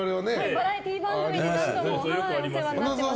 バラエティー番組で何度もお世話になっています。